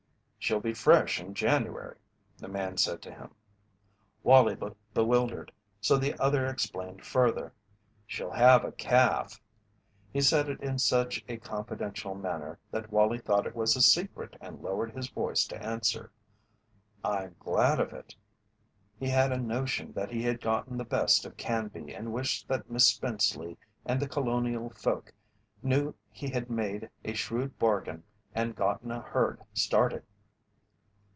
"She'll be fresh in January," the man said to him. Wallie looked bewildered, so the other explained further: "She'll have a calf." He said it in such a confidential manner that Wallie thought it was a secret and lowered his voice to answer: "I'm glad of it." He had a notion that he had gotten the best of Canby and wished that Miss Spenceley and The Colonial folk knew he had made a shrewd bargain and gotten a herd started.